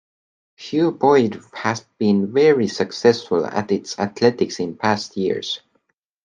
Hugh Boyd have been very successful at its athletics in past years.